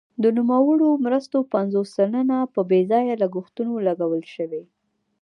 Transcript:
د نوموړو مرستو پنځوس سلنه په بې ځایه لګښتونو لګول شوي.